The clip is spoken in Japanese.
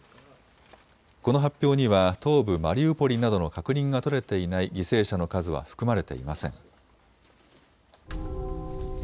この発表には東部マリウポリなどの確認が取れていない犠牲者の数は含まれていません。